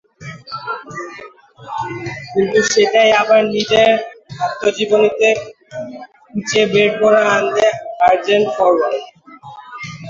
কিন্তু সেটাই আবার নিজের আত্মজীবনীতে খুঁচিয়ে বের করে আনলেন আর্জেন্টাইন ফরোয়ার্ড।